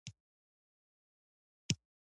نن کلیوالو غېږ په غېږ ولیدل.